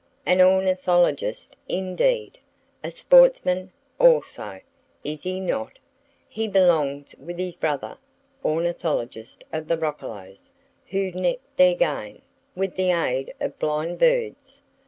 An "ornithologist" indeed! A "sportsman" also, is he not? He belongs with his brother "ornithologists" of the roccolos, who net their "game" with the aid of blind birds!